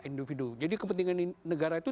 individu jadi kepentingan negara itu